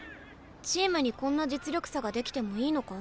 チームにこんな実力差が出来てもいいのか？